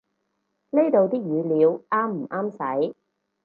呢度啲語料啱唔啱使